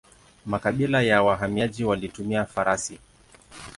Makabila ya wahamiaji walitumia farasi.